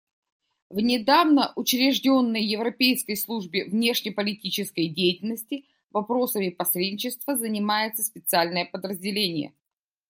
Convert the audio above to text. В недавно учрежденной Европейской службе внешнеполитической деятельности вопросами посредничества занимается специальное подразделение.